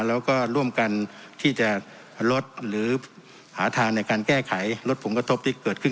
แล้วก็ร่วมกันที่จะลดหรือหาทางในการแก้ไขลดผลกระทบที่เกิดขึ้น